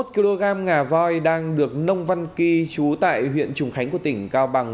năm mươi một kg ngà voi đang được nông văn kỳ trú tại huyện trùng khánh của tỉnh cao bằng